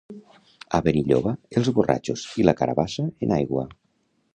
A Benilloba els borratxos i la carabassa en aigua.